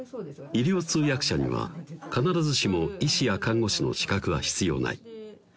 医療通訳者には必ずしも医師や看護師の資格は必要ない